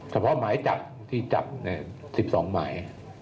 เฉพาะหมายจับที่จับ๑๒หมาย